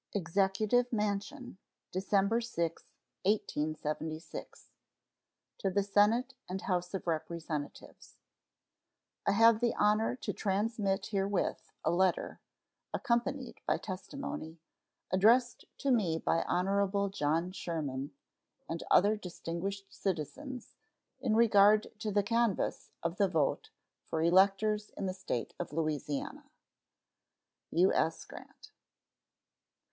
EXECUTIVE MANSION, December 6, 1876. To the Senate and House of Representatives: I have the honor to transmit herewith a letter (accompanied by testimony) addressed to me by Hon. John Sherman and other distinguished citizens, in regard to the canvass of the vote for electors in the State of Louisiana. U.S. GRANT.